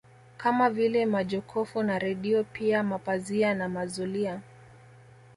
Kama vile majokofu na redio pia mapazia na mazulia